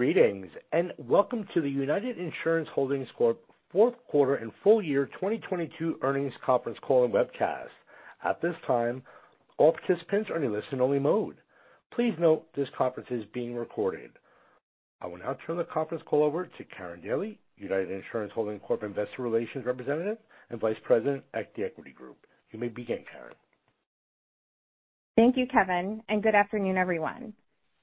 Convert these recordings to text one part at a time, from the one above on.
Greetings, and welcome to the United Insurance Holdings Corp. fourth quarter and full year 2022 earnings conference call and webcast. At this time, all participants are in listen-only mode. Please note this conference is being recorded. I will now turn the conference call over to Karin Daly, United Insurance Holdings Corp. Investor Relations Representative and Vice President at The Equity Group. You may begin, Karin. Thank you, Kevin, and good afternoon, everyone.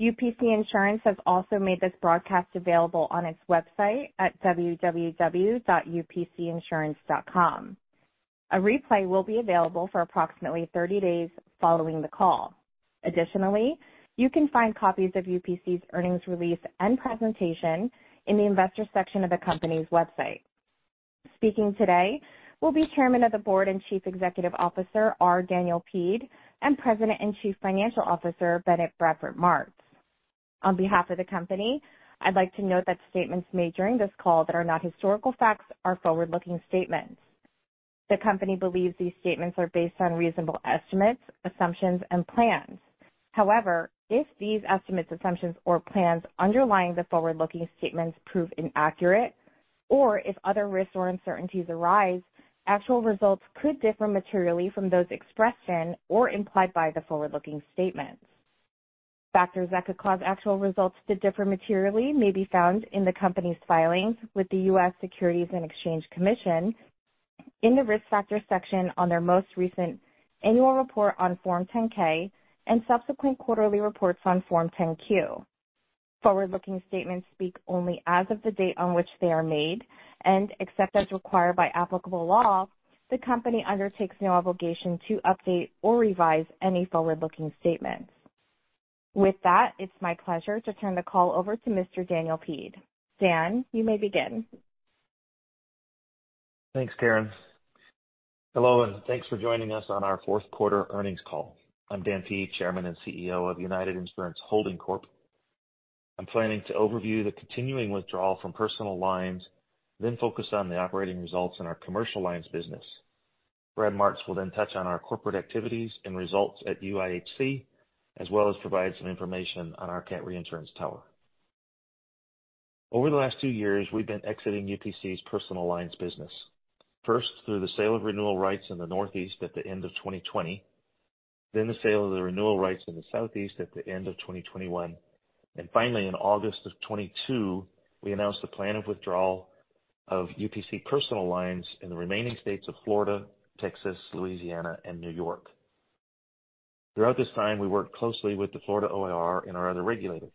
UPC Insurance has also made this broadcast available on its website at www.upcinsurance.com. A replay will be available for approximately 30 days following the call. Additionally, you can find copies of UPC's earnings release and presentation in the investor section of the company's website. Speaking today will be Chairman of the Board and Chief Executive Officer, R. Daniel Peed, and President and Chief Financial Officer, Bennett Bradford Martz. On behalf of the company, I'd like to note that statements made during this call that are not historical facts are forward-looking statements. The company believes these statements are based on reasonable estimates, assumptions, and plans. If these estimates, assumptions, or plans underlying the forward-looking statements prove inaccurate, or if other risks or uncertainties arise, actual results could differ materially from those expressed in or implied by the forward-looking statements. Factors that could cause actual results to differ materially may be found in the company's filings with the US Securities and Exchange Commission in the Risk Factors section on their most recent annual report on Form 10-K and subsequent quarterly reports on Form 10-Q. Forward-looking statements speak only as of the date on which they are made, and except as required by applicable law, the company undertakes no obligation to update or revise any forward-looking statements. With that, it's my pleasure to turn the call over to Mr. Daniel Peed. Dan, you may begin. Thanks, Karin. Hello, thanks for joining us on our fourth quarter earnings call. I'm Daniel Peed, Chairman and CEO of United Insurance Holdings Corp. I'm planning to overview the continuing withdrawal from personal lines, then focus on the operating results in our commercial lines business. Brad Martz will then touch on our corporate activities and results at UIHC, as well as provide some information on our cat reinsurance tower. Over the last two years, we've been exiting UPC's personal lines business. First through the sale of renewal rights in the Northeast at the end of 2020, then the sale of the renewal rights in the Southeast at the end of 2021, and finally, in August of 2022, we announced the plan of withdrawal of UPC personal lines in the remaining states of Florida, Texas, Louisiana, and New York. Throughout this time, we worked closely with the Florida OIR and our other regulators.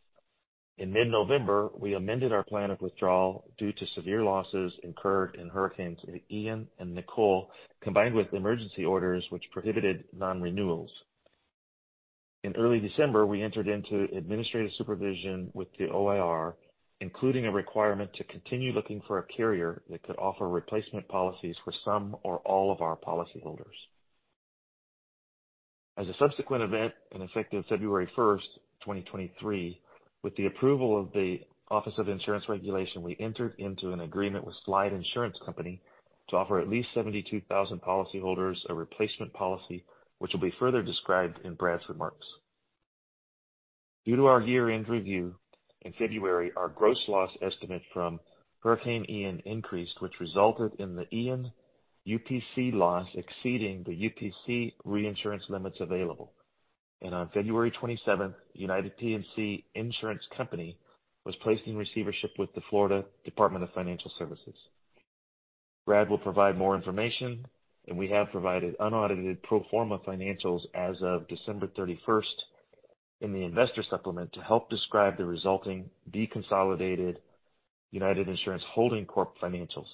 In mid-November, we amended our plan of withdrawal due to severe losses incurred in Hurricane Ian and Hurricane Nicole, combined with emergency orders which prohibited non-renewals. In early December, we entered into administrative supervision with the OIR, including a requirement to continue looking for a carrier that could offer replacement policies for some or all of our policyholders. As a subsequent event, effective February 1st, 2023, with the approval of the Office of Insurance Regulation, we entered into an agreement with Slide Insurance Company to offer at least 72,000 policyholders a replacement policy which will be further described in Brad's remarks. Due to our year-end review, in February, our gross loss estimate from Hurricane Ian increased, which resulted in the Ian UPC loss exceeding the UPC reinsurance limits available. On February 27th, United P&C Insurance Company was placed in receivership with the Florida Department of Financial Services. Brad will provide more information, and we have provided unaudited pro forma financials as of December 31st in the investor supplement to help describe the resulting deconsolidated United Insurance Holdings Corp financials.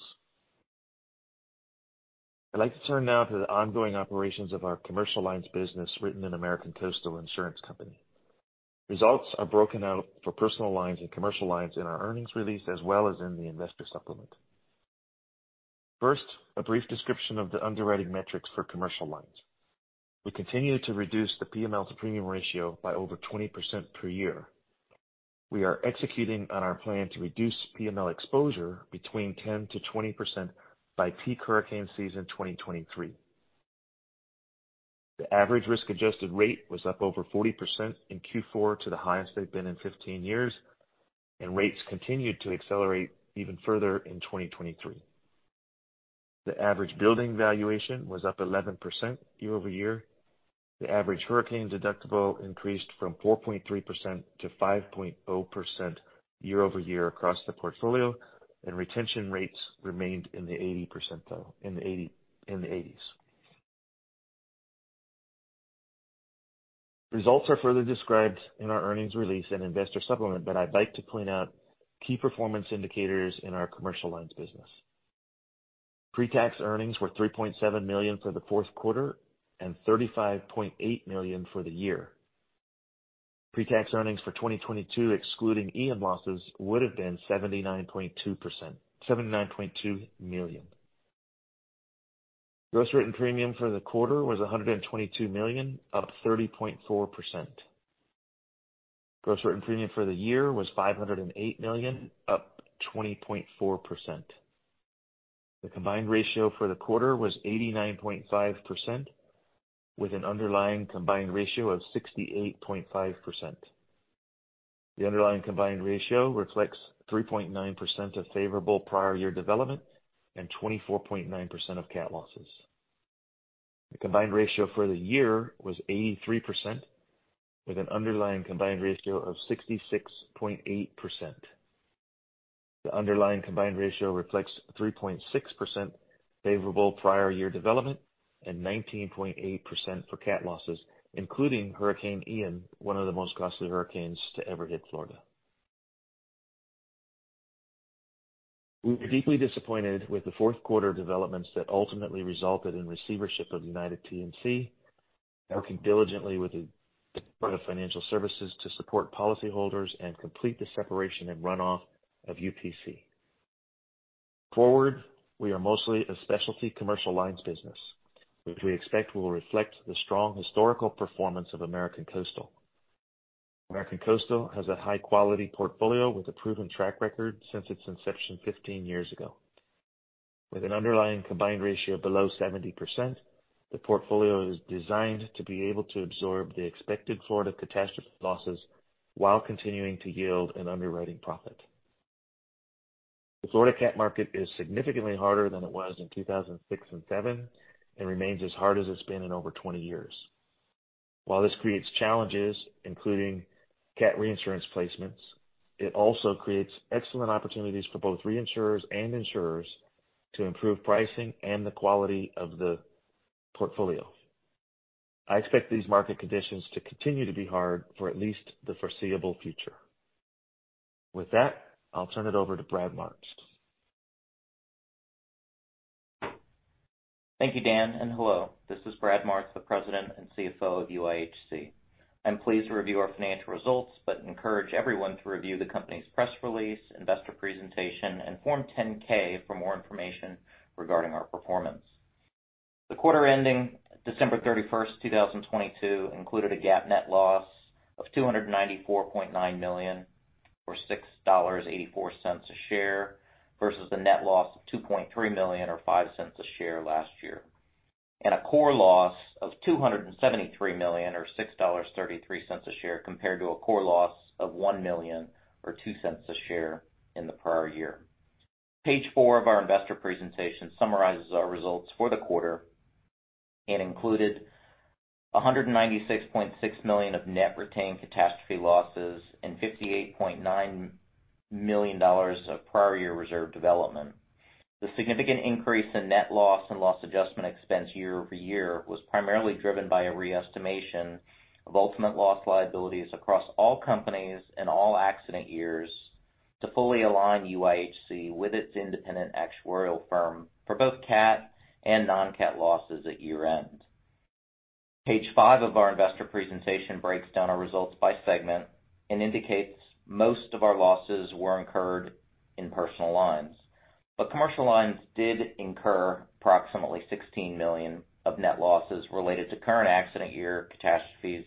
I'd like to turn now to the ongoing operations of our commercial lines business written in American Coastal Insurance Company. Results are broken out for personal lines and commercial lines in our earnings release, as well as in the investor supplement. First, a brief description of the underwriting metrics for commercial lines. We continue to reduce the PML-to-premium ratio by over 20% per year. We are executing on our plan to reduce PML exposure between 10%-20% by peak hurricane season 2023. The average risk-adjusted rate was up over 40% in Q4 to the highest they've been in 15 years, and rates continued to accelerate even further in 2023. The average building valuation was up 11% year-over-year. The average hurricane deductible increased from 4.3% to 5.0% year-over-year across the portfolio, and retention rates remained in the 80 percentile, in the 80s. Results are further described in our earnings release and investor supplement, but I'd like to point out key performance indicators in our commercial lines business. Pre-tax earnings were $3.7 million for the fourth quarter and $35.8 million for the year. Pre-tax earnings for 2022, excluding Ian losses, would have been $79.2 million. Gross written premium for the quarter was $122 million, up 30.4%. Gross written premium for the year was $508 million, up 20.4%. The combined ratio for the quarter was 89.5%, with an underlying combined ratio of 68.5%. The underlying combined ratio reflects 3.9% of favorable prior year development and 24.9% of cat losses. The combined ratio for the year was 83% with an underlying combined ratio of 66.8%. The underlying combined ratio reflects 3.6% favorable prior year development and 19.8% for cat losses, including Hurricane Ian, one of the most costly hurricanes to ever hit Florida. We're deeply disappointed with the fourth quarter developments that ultimately resulted in receivership of United P&C, working diligently with the Department of Financial Services to support policyholders and complete the separation and runoff of UPC. Forward, we are mostly a specialty commercial lines business, which we expect will reflect the strong historical performance of American Coastal. American Coastal has a high-quality portfolio with a proven track record since its inception 15 years ago. With an underlying combined ratio below 70%, the portfolio is designed to be able to absorb the expected Florida catastrophe losses while continuing to yield an underwriting profit. The Florida cat market is significantly harder than it was in 2006 and 2007 and remains as hard as it's been in over 20 years. While this creates challenges, including cat reinsurance placements, it also creates excellent opportunities for both reinsurers and insurers to improve pricing and the quality of the portfolio. I expect these market conditions to continue to be hard for at least the foreseeable future. With that, I'll turn it over to Brad Martz. Thank you, Dan. Hello. This is Brad Martz, the president and CFO of UIHC. I'm pleased to review our financial results, but encourage everyone to review the company's press release, investor presentation, and Form 10-K for more information regarding our performance. The quarter ending December 31, 2022 included a GAAP net loss of $294.9 million, or $6.84 a share, versus a net loss of $2.3 million or $0.05 a share last year, and a core loss of $273 million or $6.33 a share, compared to a core loss of $1 million or $0.02 a share in the prior year. Page four of our investor presentation summarizes our results for the quarter and included $196.6 million of net retained catastrophe losses and $58.9 million of prior year reserve development. The significant increase in net loss and loss adjustment expense year-over-year was primarily driven by a re-estimation of ultimate loss liabilities across all companies in all accident years to fully align UIHC with its independent actuarial firm for both cat and non-cat losses at year-end. Page five of our investor presentation breaks down our results by segment and indicates most of our losses were incurred in personal lines. Commercial lines did incur approximately $16 million of net losses related to current accident year catastrophes,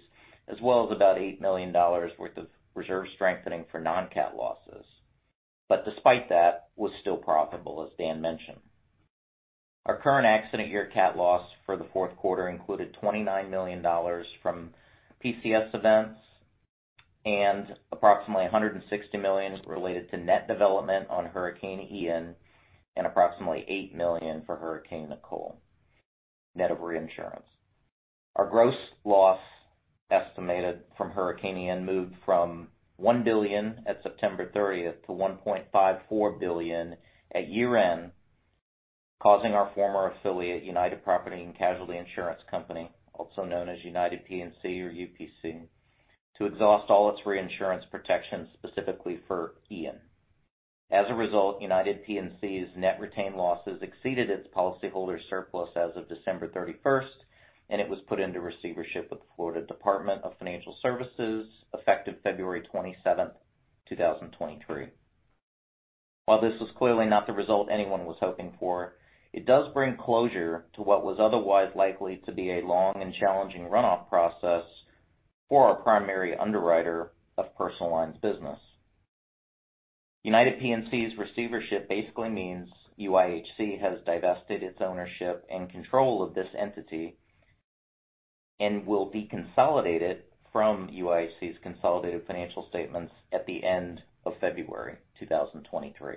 as well as about $8 million worth of reserve strengthening for non-cat losses, but despite that, was still profitable, as Dan mentioned. Our current accident year cat loss for the fourth quarter included $29 million from PCS events and approximately $160 million related to net development on Hurricane Ian and approximately $8 million for Hurricane Nicole, net of reinsurance. Our gross loss estimated from Hurricane Ian moved from $1 billion at September 30th to $1.54 billion at year-end, causing our former affiliate, United Property & Casualty Insurance Company, also known as United P&C or UPC, to exhaust all its reinsurance protection specifically for Ian. As a result, United P&C's net retained losses exceeded its policyholder surplus as of December 31st, and it was put into receivership with the Florida Department of Financial Services effective February 27th, 2023. While this was clearly not the result anyone was hoping for, it does bring closure to what was otherwise likely to be a long and challenging runoff process for our primary underwriter of personal lines business. UPC's receivership basically means UIHC has divested its ownership and control of this entity and will be consolidated from UIHC's consolidated financial statements at the end of February 2023.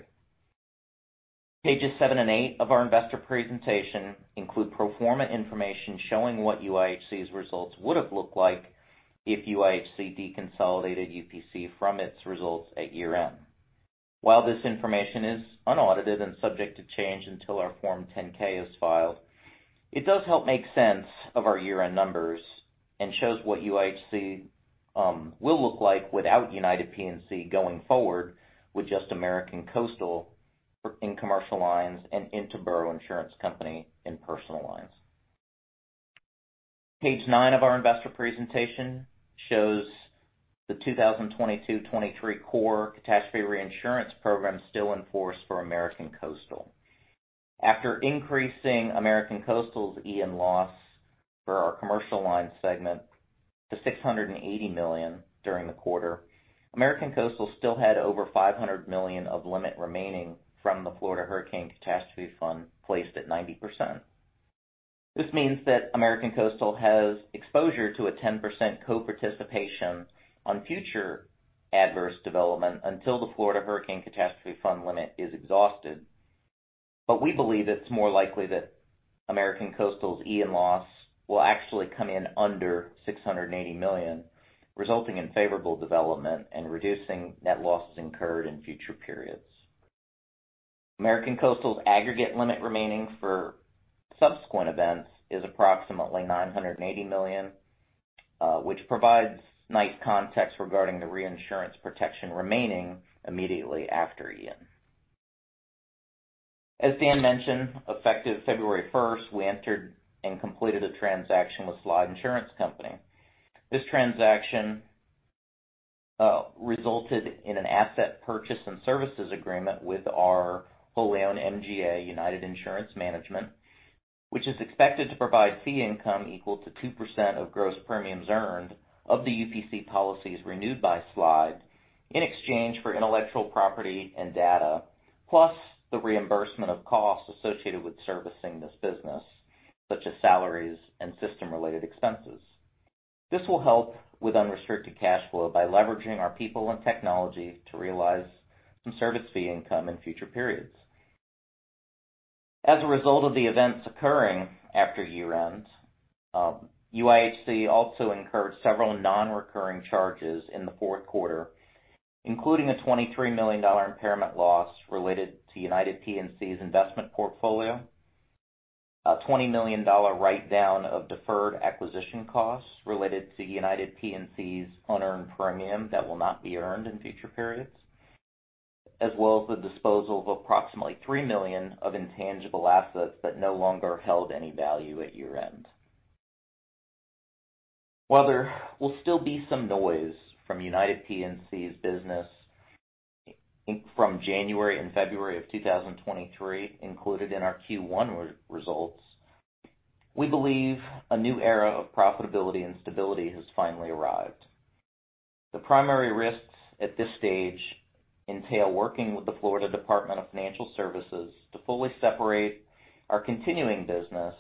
Pages seven and eight of our investor presentation include pro forma information showing what UIHC's results would have looked like if UIHC deconsolidated UPC from its results at year-end. While this information is unaudited and subject to change until our Form 10-K is filed, it does help make sense of our year-end numbers and shows what UIHC will look like without UPC going forward with just American Coastal in Commercial Lines and Interboro Insurance Company in Personal Lines. Page 9 of our investor presentation shows the 2022, 2023 core catastrophe reinsurance program still in force for American Coastal. After increasing American Coastal's Ian loss for our commercial line segment to $680 million during the quarter. American Coastal still had over $500 million of limit remaining from the Florida Hurricane Catastrophe Fund, placed at 90%. This means that American Coastal has exposure to a 10% co-participation on future adverse development until the Florida Hurricane Catastrophe Fund limit is exhausted. We believe it's more likely that American Coastal's Ian loss will actually come in under $680 million, resulting in favorable development and reducing net losses incurred in future periods. American Coastal's aggregate limit remaining for subsequent events is approximately $980 million, which provides nice context regarding the reinsurance protection remaining immediately after Ian. As Dan mentioned, effective February 1st, we entered and completed a transaction with Slide Insurance Company. This transaction resulted in an asset purchase and services agreement with our wholly owned MGA United Insurance Management, which is expected to provide fee income equal to 2% of gross premiums earned of the UPC policies renewed by Slide in exchange for intellectual property and data, plus the reimbursement of costs associated with servicing this business, such as salaries and system-related expenses. This will help with unrestricted cash flow by leveraging our people and technology to realize some service fee income in future periods. As a result of the events occurring after year-end, UIHC also incurred several non-recurring charges in the fourth quarter, including a $23 million impairment loss related to United P&C's investment portfolio, a $20 million write-down of deferred acquisition costs related to United P&C's unearned premium that will not be earned in future periods, as well as the disposal of approximately $3 million of intangible assets that no longer held any value at year-end. While there will still be some noise from United P&C's business from January and February of 2023 included in our Q1 re-results, we believe a new era of profitability and stability has finally arrived. The primary risks at this stage entail working with the Florida Department of Financial Services to fully separate our continuing business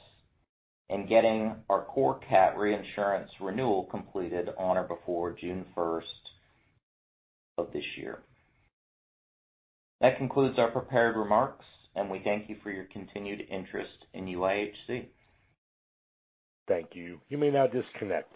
and getting our core CAT reinsurance renewal completed on or before June 1st of this year. That concludes our prepared remarks. We thank you for your continued interest in UIHC. Thank you. You may now disconnect.